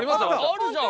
あるじゃん！